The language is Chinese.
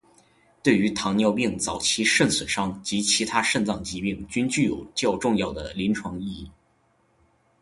对于糖尿病早期肾损伤及其他肾脏疾病均具有较重要的临床意义。